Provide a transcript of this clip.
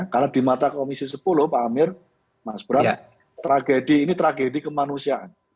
karena di mata komisi sepuluh pak amir mas brad tragedi ini tragedi kemanusiaan